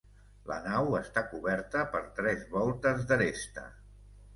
La nau està coberta per tres voltes d'aresta.